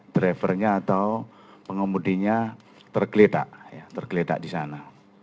drivernya atau pengemudinya tergeledak tergeledak di sana